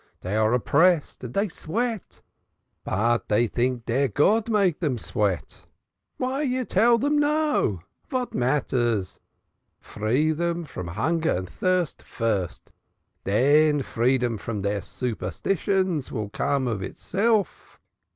Dey are oppressed, dey sweat but dey tink deir God make dem sweat. Why you tell dem, no? Vat mattairs? Free dem from hunger and tirst first, den freedom from deir fool superstitions vill come of itself.